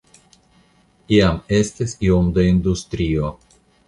Iam estis iom da industrio.